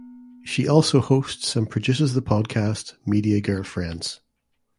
She also hosts and produces the podcast Media Girlfriends.